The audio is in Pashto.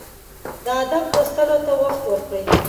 د ادب لوستلو ته وخت ورکړئ.